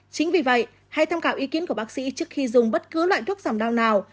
chính vì vậy hay tham khảo ý kiến của bác sĩ trước khi dùng bất cứ loại thuốc giảm đau nào